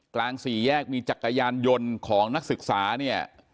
กลางสี่แยกมีจักรยานยนต์ของนักศึกษาเนี่ย